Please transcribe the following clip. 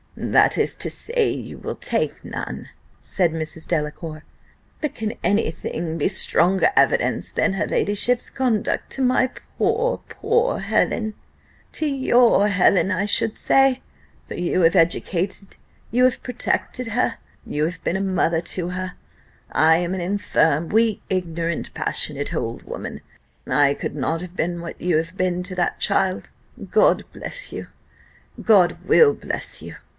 "That is to say, you will take none," said Mrs. Delacour: "but can any thing be stronger evidence than her ladyship's conduct to my poor Helen to your Helen, I should say for you have educated, you have protected her, you have been a mother to her. I am an infirm, weak, ignorant, passionate old woman I could not have been what you have been to that child God bless you! God will bless you!"